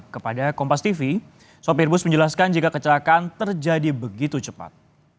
kepada kompas tv sopir bus menjelaskan jika kecelakaan terjadi begitu cepat